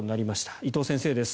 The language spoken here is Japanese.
伊藤先生です。